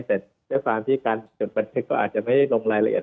แต่ด้วยความที่การจดบันทึกก็อาจจะไม่ได้ลงรายละเอียด